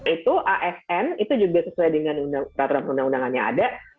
itu asn itu juga sesuai dengan peraturan perundang undangan yang ada